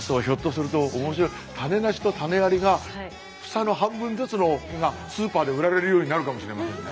種なしと種ありが房の半分ずつのがスーパーで売られるようになるかもしれませんね。